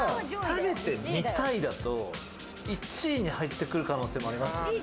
食べてみたいだと、１位に入ってくる可能性もありますよね。